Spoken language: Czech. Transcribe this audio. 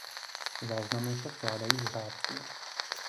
Záznamy se skládají z řádků.